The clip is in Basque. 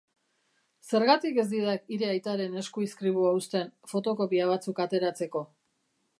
Zergatik ez didak hire aitaren eskuizkribua uzten, fotokopia batzuk ateratzeko?